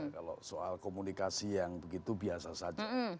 kalau soal komunikasi yang begitu biasa saja